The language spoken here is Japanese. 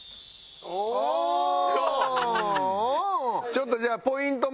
ちょっとじゃあポイント